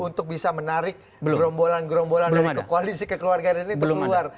untuk bisa menarik gerombolan gerombolan dari koalisi kekeluargaan ini untuk keluar